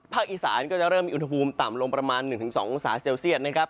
อีสานก็จะเริ่มมีอุณหภูมิต่ำลงประมาณ๑๒องศาเซลเซียตนะครับ